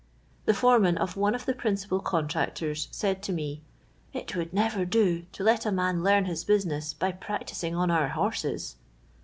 The foreman of one of the principal contractors said to me, *' It wouIJ never do to let a man learn his business by practisinj? on our horses."